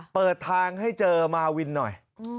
เปิดทางให้เจอมาวินหน่อย